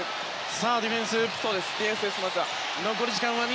さあ、ディフェンス。